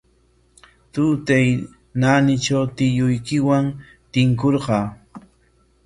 Tutay naanitraw tiyuykiwan tinkurqaa.